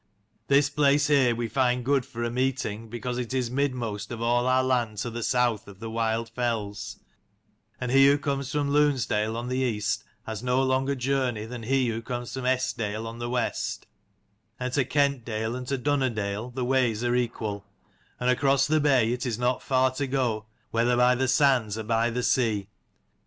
This place here we find good for a meeting because it is mid most of all our land to the south of the wild fells : and he who comes from Lunesdale on the east has no longer journey than he who comes from Eskdale on the west: and to Kentdale and to Dunnerdale the ways are equal : and across the bay it is not far to go, whether by the sands or by the sea.